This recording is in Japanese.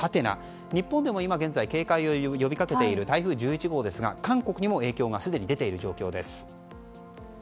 日本でも今現在、警戒を呼びかけている台風１１号ですが韓国にも影響がすでに出ています。